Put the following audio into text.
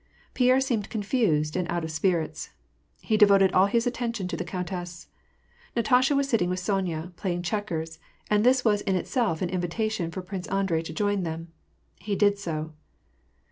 Pierre seemed confused, and out of spirits. He devoted all his attention to the countess. Natasha was sitting with Sonya, playing checkers ; and this was in itself an invitation for Prince Andrei to join them. He did so.